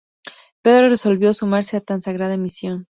Pedro resolvió sumarse a tan sagrada misión.